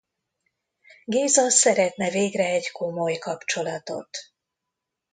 Géza szeretne végre egy komoly kapcsolatot.